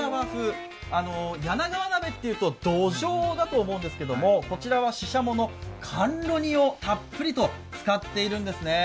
柳川鍋というと、どじょうだと思うんですが、こちらは、ししゃもの甘露煮をたっぷりと使っているんですね。